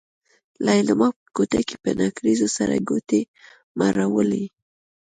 ليلما په کوټه کې په نکريزو سرې ګوتې مروړلې.